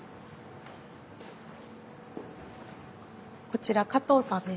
こちら加藤さんです。